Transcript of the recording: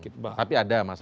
tapi ada masa